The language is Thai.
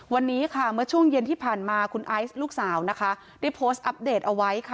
วันนี้ค่ะเมื่อช่วงเย็นที่ผ่านมาคุณไอซ์ลูกสาวนะคะได้โพสต์อัปเดตเอาไว้ค่ะ